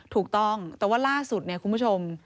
ถูกต้องแต่ว่าล่าสุดเนี่ยคุณผู้ชม